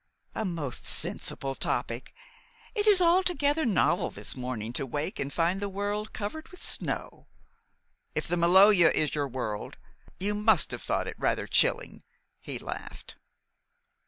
"A most seasonable topic. It was altogether novel this morning to wake and find the world covered with snow." "If the Maloja is your world, you must have thought it rather chilling," he laughed.